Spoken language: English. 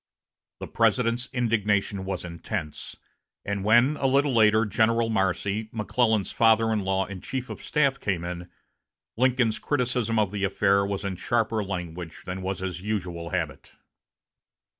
The President's indignation was intense; and when, a little later, General Marcy, McClellan's father in law and chief of staff, came in, Lincoln's criticism of the affair was in sharper language than was his usual habit.